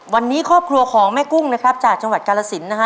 วันนี้ครอบครัวของแม่กุ้งนะครับจากจังหวัดกาลสินนะฮะ